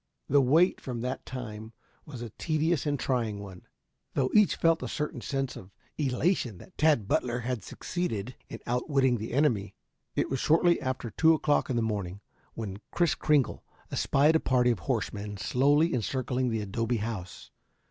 The wait from that time on was a tedious and trying one, though each felt a certain sense of elation that Tad Butler had succeeded in outwitting the enemy. It was shortly after two o'clock in the morning when Kris Kringle espied a party of horsemen slowly encircling the adobe house.